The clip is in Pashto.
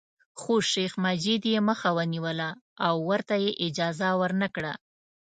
خو شیخ مجید یې مخه ونیوله او ورته یې اجازه ورنکړه.